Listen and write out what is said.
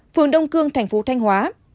phường đông cương thành phố thanh hóa